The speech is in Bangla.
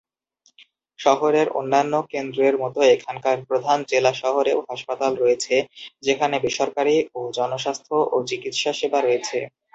শহরের অন্যান্য কেন্দ্রের মত এখানকার প্রধান জেলা শহরেও হাসপাতাল রয়েছে, যেখানে বেসরকারি ও জনস্বাস্থ্য ও চিকিৎসা সেবা রয়েছে।